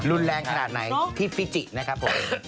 รุนแรงขนาดไหนที่ฟิจินะครับผม